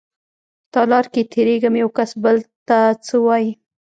تالار کې تېرېږم يوکس بل ته څه وايي.